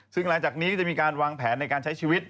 ซึ่งหลังจากนี้จะมีการวางแผนในการใช้ชีวิต